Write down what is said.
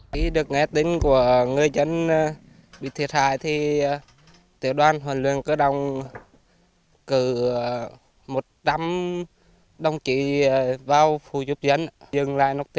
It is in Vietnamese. khi được nghe tin của người dân bị thiệt hại thì tiểu đoàn hoàn luyện cơ đồng cử một trăm linh đồng trị vào phù giúp dựng